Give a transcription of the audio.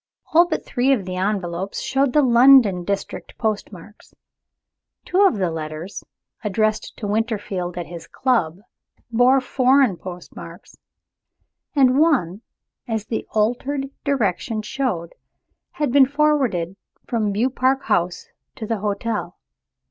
All but three of the envelopes showed the London district postmarks. Two of the other letters (addressed to Winterfield at his club) bore foreign postmarks; and one, as the altered direction showed, had been forward from Beaupark House to the hotel.